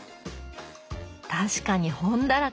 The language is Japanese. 確かに本だらけ。